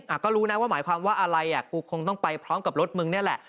ก็รู้นะว่าหมายความว่าอะไรอ่ะกูคงต้องไปพร้อมกับรถมึงนี่แหละ